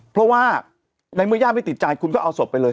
เพราะว่าในเมื่อญาติไม่ติดใจคุณก็เอาศพไปเลย